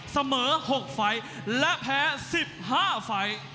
เสมอ๖ไฟล์และแพ้๑๕ไฟล์